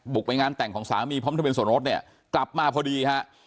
ไปงานแต่งของสามีพร้อมทะเบียสมรสเนี่ยกลับมาพอดีฮะ